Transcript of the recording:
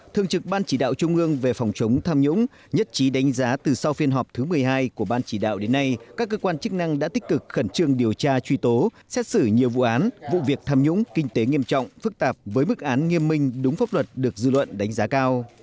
thường trực ban chỉ đạo trung ương về phòng chống tham nhũng nhất trí đánh giá từ sau phiên họp thứ một mươi hai của ban chỉ đạo đến nay các cơ quan chức năng đã tích cực khẩn trương điều tra truy tố xét xử nhiều vụ án vụ việc tham nhũng kinh tế nghiêm trọng phức tạp với bức án nghiêm minh đúng pháp luật được dư luận đánh giá cao